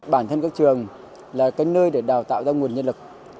bản thân các trường là cái nơi để đào tạo ra nguồn nhân lực